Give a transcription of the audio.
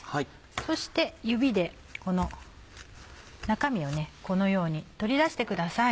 そして指でこの中身をこのように取り出してください。